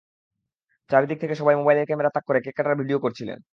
চারদিকে থেকে সবাই মোবাইলের ক্যামেরা তাক করে কেক কাটার ভিডিও করছিলেন।